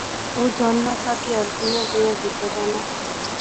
او جاننا سا کہ ہل کوئیاں کوئیاں کیتا جانا